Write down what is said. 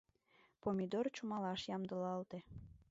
Помидор чумалаш ямдылалте.